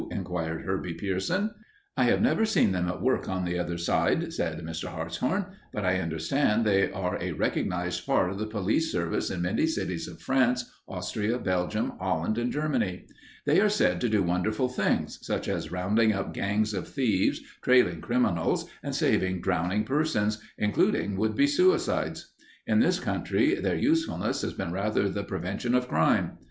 inquired Herbie Pierson. "I have never seen them at work on the other side," said Mr. Hartshorn, "but I understand they are a recognized part of the police service in many cities of France, Austria, Belgium, Holland, and Germany. They are said to do wonderful things, such as rounding up gangs of thieves, trailing criminals, and saving drowning persons, including would be suicides. In this country their usefulness has been rather the prevention of crime.